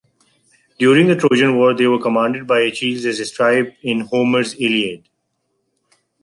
During the Trojan War, they were commanded by Achilles, as described in Homer's "Iliad".